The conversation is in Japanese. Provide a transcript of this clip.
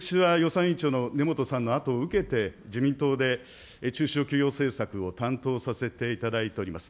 私は予算委員長の根本さんのあとを受けて、自民党で中小企業政策を担当させていただいております。